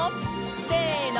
せの！